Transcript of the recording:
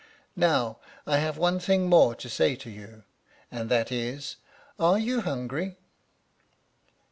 Now I have one thing more to say to you, and that is, are you hungry?"